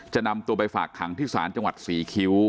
นำตัวไปฝากขังที่ศาลจังหวัดศรีคิ้ว